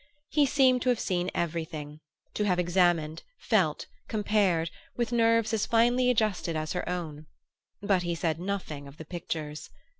He seemed to have seen everything, to have examined, felt, compared, with nerves as finely adjusted as her own; but he said nothing of the pictures.